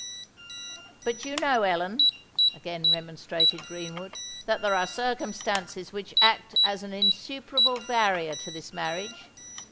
"But you know, Ellen," again remonstrated Greenwood, "that there are circumstances which act as an insuperable barrier to this marriage.